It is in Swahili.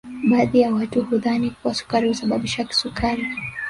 Baadhi ya watu hudhani kuwa sukari husababisha kisukari